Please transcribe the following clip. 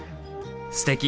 すてき！